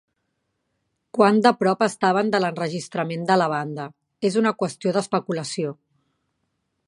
Quan de prop estaven de l'enregistrament de la Banda, és una qüestió d'especulació.